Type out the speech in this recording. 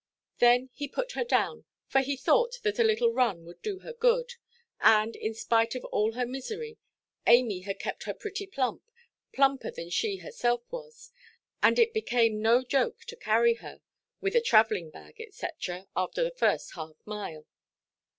Then he put her down, for he thought that a little run would do her good, and, in spite of all her misery, Amy had kept her pretty plump, plumper than she herself was; and it became no joke to carry her, with a travelling–bag, &c., after the first half mile.